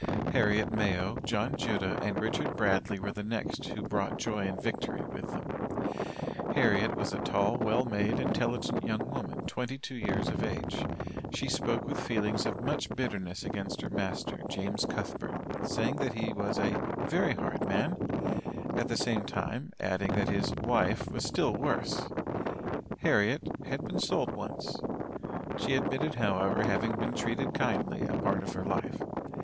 Harriet Mayo, John Judah, and Richard Bradley were the next who brought joy and victory with them. Harriet was a tall, well made, intelligent young woman, twenty two years of age. She spoke with feelings of much bitterness against her master, James Cuthbert, saying that he was a "very hard man," at the same time, adding that his "wife was still worse." Harriet "had been sold once." She admitted however, having been treated kindly a part of her life.